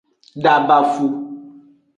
Dabafu.